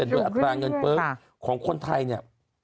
โดยอัตราเงินเฟิร์ฟของคนไทยเนี่ย